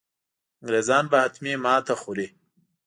انګرېزان به حتمي ماته خوري.